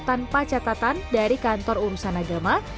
tanpa catatan dari kantor urusan agama